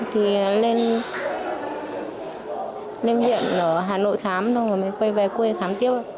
thì lên huyện ở hà nội khám rồi về quê khám tiếp